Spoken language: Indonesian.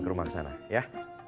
ke rumah kesana ya